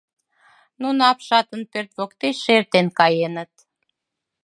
Нуно апшатын пӧрт воктечше эртен каеныт.